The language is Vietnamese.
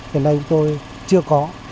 hiện nay chúng tôi chưa có